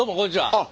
あっ。